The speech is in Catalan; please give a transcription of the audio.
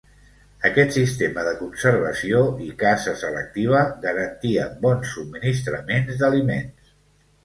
Aquest sistema de conservació i caça selectiva garantia bons subministraments d'aliments.